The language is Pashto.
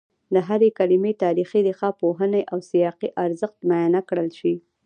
د هرې کلمې تاریخي، ریښه پوهني او سیاقي ارزښت معاینه کړل شي